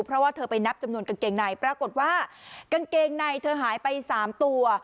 เพราะว่าเธอไปนับจำนวนกางเกงในปรากฏว่ากางเกงในเธอหายไป๓ตัว